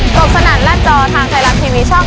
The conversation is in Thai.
ตกสนัดลาดจอทางไทยรับทีวีช่อง๓๒